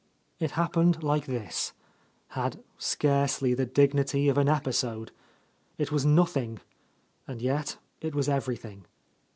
It happened like this, — had scarcely the dignity of an episode. It was nothing, and yet it was everything.